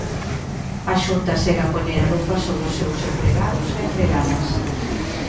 A Xunta segue a poñer a lupa sobre os seus empregados e empregadas.